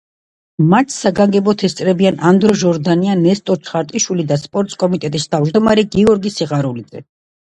მატჩს საგანგებოდ ესწრებიან ანდრო ჟორდანია, ნესტორ ჩხატარაშვილი და სპორტკომიტეტის თავმჯდომარე გიორგი სიხარულიძე.